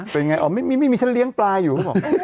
เป็นไงออกไม่มีฉันเลี้ยงปลาอยู่